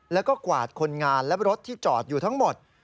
แล้วก็กวาดคนงานและรถที่จอดอยู่ทั้งหมด